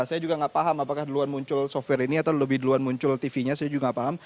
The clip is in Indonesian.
saya juga nggak paham apakah duluan muncul software ini atau lebih duluan muncul tv nya saya juga nggak paham